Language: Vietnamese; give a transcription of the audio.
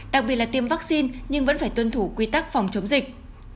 đặc biệt là tiêm vaccine nhưng vẫn phải tuân thủ quy tắc phòng chống dịch